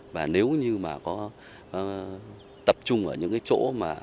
và nếu như có tập trung ở những chỗ